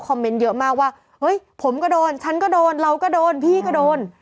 เมนต์เยอะมากว่าเฮ้ยผมก็โดนฉันก็โดนเราก็โดนพี่ก็โดน